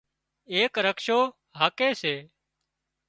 ايڪ رڪشو هاڪي سي